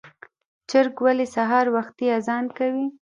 چرګ ولې سهار وختي اذان کوي؟